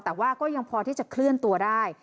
แต่ว่าก็ยังพอที่จะเคลื่อนตัวได้